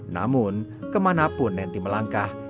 namun kemanapun nenty melangkah